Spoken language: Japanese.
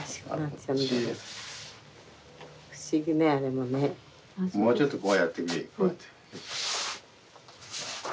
もうちょっとこうやって。